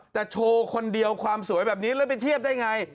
แต่โชว์คนเดียวความสวยแบบนี้แล้วไปเทียบได้ไง